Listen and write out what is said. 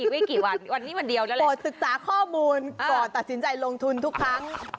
ไม่กี่วันวันนี้วันเดียวนั่นแหละโปรดศึกษาข้อมูลก่อนตัดสินใจลงทุนทุกครั้ง